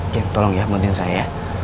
jen tolong ya mundurin saya ya